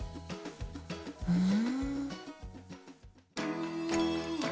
うん。